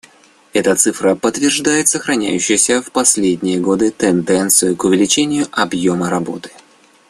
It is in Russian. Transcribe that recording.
Эта цифра подтверждает сохраняющуюся в последние годы тенденцию к увеличению объема работы.